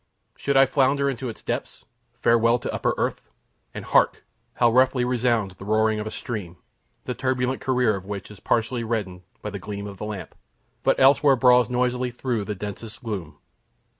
Should I flounder into its depths, farewell to upper earth! And hark! how roughly resounds the roaring of a stream, the turbulent career of which is partially reddened by the gleam of the lamp, but elsewhere brawls noisily through the densest gloom.